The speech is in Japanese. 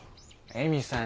恵美さん